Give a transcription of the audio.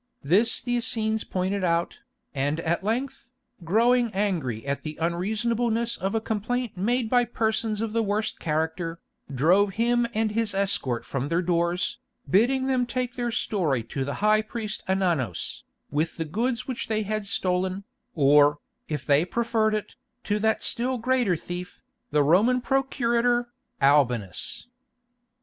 This the Essenes pointed out, and at length, growing angry at the unreasonableness of a complaint made by persons of the worst character, drove him and his escort from their doors, bidding them take their story to the high priest Ananos, with the goods which they had stolen, or, if they preferred it, to that still greater thief, the Roman procurator, Albinus.